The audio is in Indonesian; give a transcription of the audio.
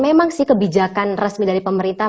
memang sih kebijakan resmi dari pemerintah